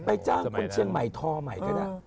จ้างคนเชียงใหม่ทอใหม่ก็ได้